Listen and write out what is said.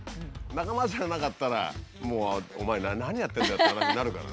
仲間じゃなかったらもうお前何やってんだ？って話になるからね。